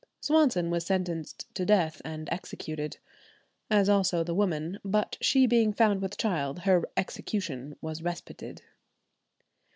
Swanson was sentenced to death, and executed. As also the woman; but she being found with child, her execution was respited."